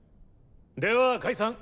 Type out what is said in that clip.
では解散。